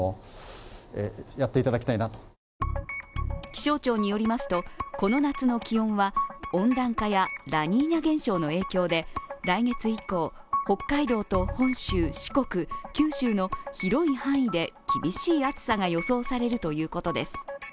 気象庁によりますと、この夏の気温は温暖化やラニーニャ現象の影響で来月以降、北海道と本州、四国、九州の広い範囲で厳しい暑さが予想されるということです。